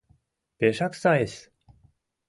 Пешак сайыс!